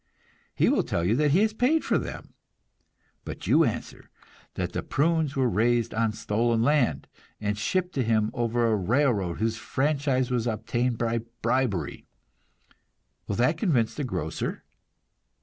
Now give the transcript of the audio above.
He will tell you that he has paid for them; but you answer that the prunes were raised on stolen land, and shipped to him over a railroad whose franchise was obtained by bribery. Will that convince the grocer?